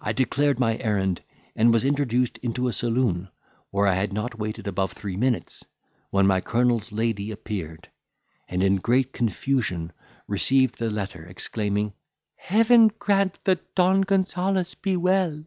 I declared my errand, and was introduced into a saloon, where I had not waited above three minutes, when my colonel's lady appeared, and in great confusion received the letter, exclaiming, "Heaven grant that Don Gonzales be well!"